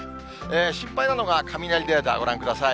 心配なのが雷レーダー、ご覧ください。